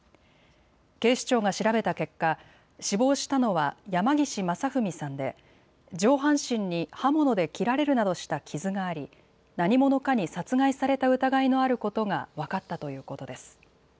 警視庁が調べた結果、死亡したのは山岸正文さんで上半身に刃物で切られるなどした傷があり何者かに殺害された疑いのあることが分かったということです。